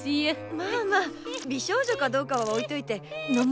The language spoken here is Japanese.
まあまあ美少女かどうかは置いといて飲もう飲もう。